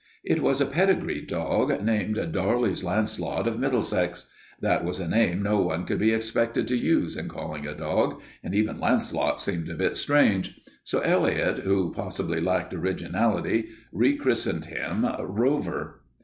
It was a pedigreed dog, named Darley's Launcelot of Middlesex. That was a name no one could be expected to use in calling a dog, and even Launcelot seemed a bit strange. So Elliot, who possibly lacked originality, rechristened him Rover.